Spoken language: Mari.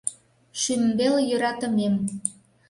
Шӱмбел йӧратымем.